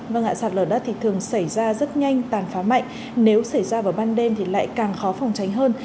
và ngại sạt lở đất thì thường xảy ra rất nhanh tàn phá mạnh nếu xảy ra vào ban đêm thì lại càng khó phòng tránh hơn